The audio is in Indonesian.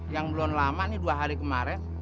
yang belum lama ini dua hari kemarin